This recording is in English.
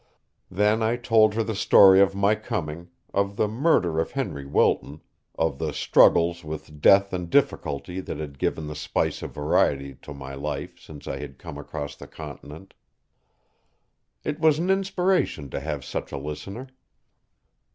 Then I told her the story of my coming, of the murder of Henry Wilton, of the struggles with death and difficulty that had given the spice of variety to my life since I had come across the continent. It was an inspiration to have such a listener.